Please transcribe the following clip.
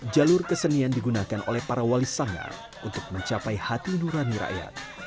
jalur kesenian digunakan oleh para wali sanggar untuk mencapai hati nurani rakyat